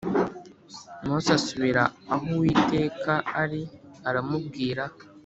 Mose asubira aho uwiteka ari aramubwira